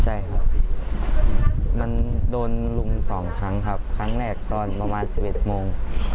ใช่ครับมันโดนลุม๒ครั้งครับครั้งแรกตอนประมาณ๑๑โมง